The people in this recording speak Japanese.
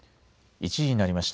１時になりました。